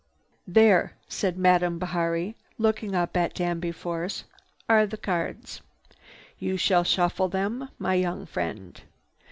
"There," said Madame Bihari, looking up at Danby Force, "are the cards. You shall shuffle them, my young friend.